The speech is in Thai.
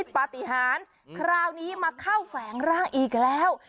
ปฏิหารคราวนี้มาเข้าแฝงร่างอีกแล้ว